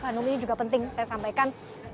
dan umumi juga penting saya sampaikan